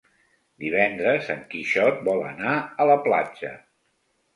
Divendres en Quixot vol anar a la platja.